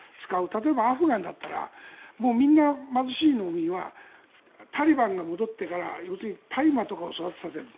例えばアフガンだったらみんな貧しい農民はタリバンから戻ってから要するに大麻を育てさせる。